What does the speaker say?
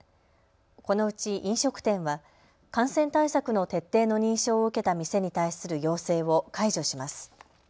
このうち飲食店は感染対策の徹底の認証を受けた店に対する要請を解除します。